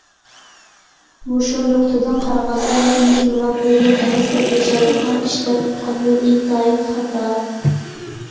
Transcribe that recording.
مۇشۇ نۇقتىدىن قارىغاندا،« مەن مۇسۇلمان، ئۇيغۇر ئەمەس» دەپ ياشاۋاتقان كىشىلەر تۇتقان يول ئىنتايىن خاتا.